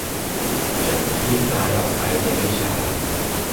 จะคลี่คลายออกไปในไม่ช้า